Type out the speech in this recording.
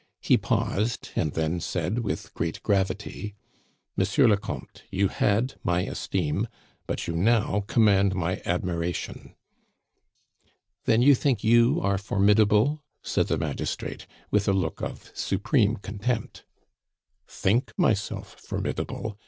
He paused, and then said with great gravity: "Monsieur le Comte, you had my esteem, but you now command my admiration." "Then you think you are formidable?" said the magistrate, with a look of supreme contempt. "Think myself formidable?"